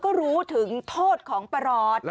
กินให้ดูเลยค่ะว่ามันปลอดภัย